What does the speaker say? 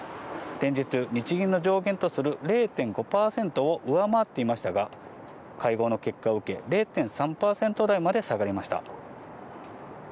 連日、日銀の上限とする０．５％を上回っていましたが、会合の結果を受け、０．３％台まで下がりました。